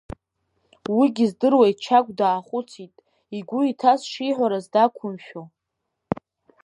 Уигьы здыруеит Чагә даахәыцит, игәы иҭаз шиҳәарыз дақәымшәо.